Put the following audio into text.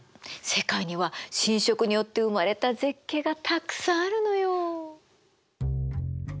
世界には侵食によって生まれた絶景がたくさんあるのよ。